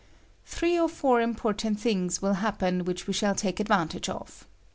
Three or four important things will happen which we shall take advantage of.